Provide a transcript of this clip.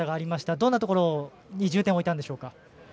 どんなところに重点を置いたんでしょうか。